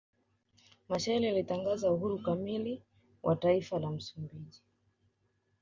Machel alitangaza uhuru kamili wa taifa la Msumbiji